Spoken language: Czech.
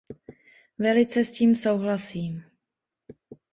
Velice s tím souhlasím.